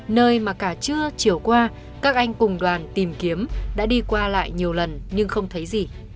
nơi mà cả trưa chiều qua các anh cùng đoàn tìm kiếm đã đi qua lại nhiều lần nhưng không thấy gì